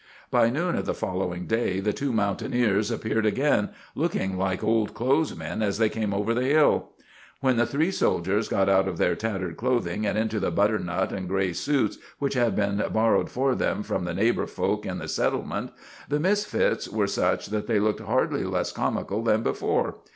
By noon of the following day the two mountaineers appeared again, looking like old clothes men as they came over the hill. When the three soldiers got out of their tattered clothing, and into the butternut and gray suits which had been borrowed for them from the neighbor folk in the settlement, the misfits were such that they looked hardly less comical than before.